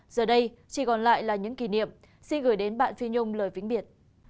giờ đây chỉ còn lại là những kỷ niệm xin gửi đến bạn phi nhung lời vĩnh biệt